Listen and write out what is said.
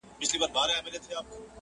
یوه ورځ به داسي راسي،